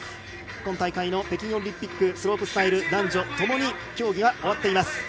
今大会の北京オリンピックスロープスタイル男女ともに競技は終わっています。